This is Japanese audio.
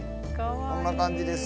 こんな感じです。